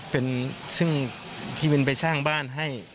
เป็นซึ่งพี่วินไปสร้างบ้านให้